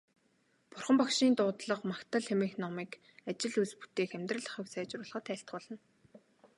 Бурхан Багшийн дуудлага магтаал хэмээх номыг ажил үйлс бүтээх, амьдрал ахуйг сайжруулахад айлтгуулна.